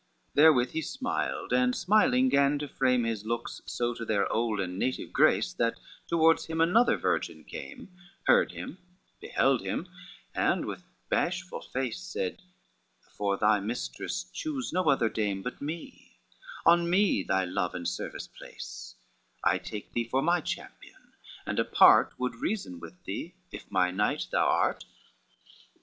LXXIX Therewith he smiled, and smiling gan to frame His looks so to their old and native grace, That towards him another virgin came, Heard him, beheld him, and with bashful face Said, "For thy mistress choose no other dame But me, on me thy love and service place, I take thee for my champion, and apart Would reason with thee, if my knight thou art."